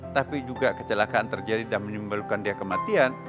tapi juga kecelakaan terjadi dan menimbulkan dia kematian